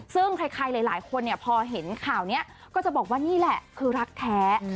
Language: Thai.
ซึ่งใครหลายคนเนี่ยพอเห็นข่าวนี้ก็จะบอกว่านี่แหละคือรักแท้